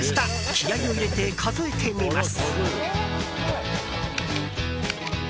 気合を入れて数えてみます。